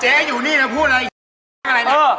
เจ๊อยู่นี่แล้วพูดอะไร